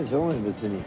別に。